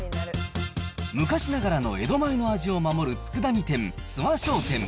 昔ながらの江戸前の味を守るつくだ煮店、諏訪商店。